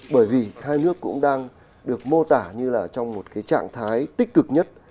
bởi vì hai nước cũng đang được mô tả như là trong một cái trạng thái tự nhiên